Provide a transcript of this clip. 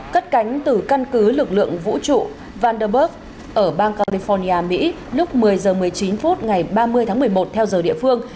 cất cánh từ căn cứ lực lượng vũ trụ vanderburg ở bang california mỹ lúc một mươi h một mươi chín phút ngày ba mươi tháng một mươi một theo giờ địa phương